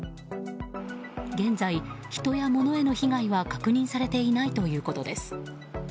現在、人や物への被害は確認されていないということです。